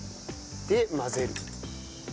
で混ぜる。